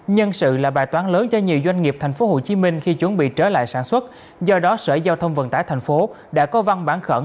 nhiều doanh nghiệp tp hcm khi chuẩn bị trở lại sản xuất do đó sở giao thông vận tải tp hcm đã có văn bản khẩn